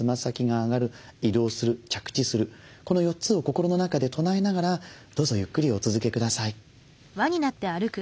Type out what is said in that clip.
この４つを心の中で唱えながらどうぞゆっくりお続けください。